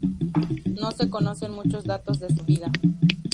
No se conocen muchos datos de su vida.